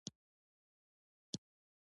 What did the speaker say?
حیواني سره د ځمکې لپاره ښه ده.